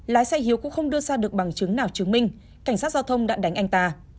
lái xe hiếu cũng không đưa ra được bằng chứng nào chứng minh cảnh sát giao thông đã đánh anh ta